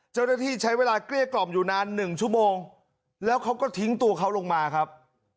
เจ้าหน้าที่ใช้เวลาเกลี้ยกล่อมอยู่นานหนึ่งชั่วโมงแล้วเขาก็ทิ้งตัวเขาลงมาครับ